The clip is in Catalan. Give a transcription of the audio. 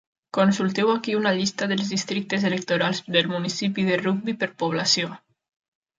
Consulteu aquí una llista dels districtes electorals del municipi de Rugby per població.